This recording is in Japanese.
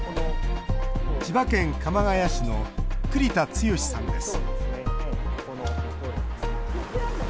千葉県鎌ケ谷市の栗田剛さんです。